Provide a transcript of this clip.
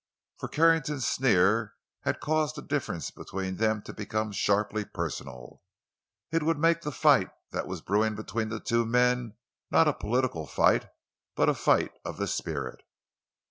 For Carrington's sneer had caused the differences between them to become sharply personal; it would make the fight that was brewing between the two men not a political fight, but a fight of the spirit.